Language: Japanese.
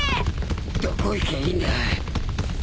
どこ行きゃいいんだ！？